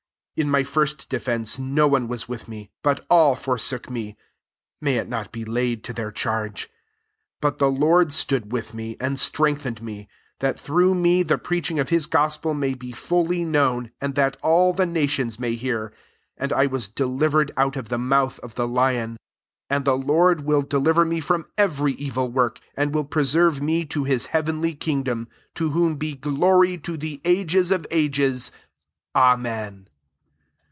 16 In my first defence no one was with me, but all forsook me : may it not be laid to their charge. 17 But the Lord stood with me, and strengthened me: that through me the preach ing of Ais gospel may be fully known, and that all the nations may hear : and I was delivered out of the mouth of the lion. 18 [And] the Lord will deliver me from every evil work, and will preserve me to his heavenly kingdom : to whom be glory to the ages of ages. Amen.